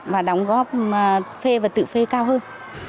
và đóng góp phê và tự phê cao hơn